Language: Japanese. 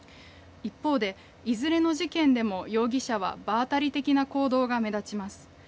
一方でいずれの事件でも容疑者は場当たり的な行動が目立ちます。